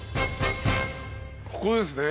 ここですね。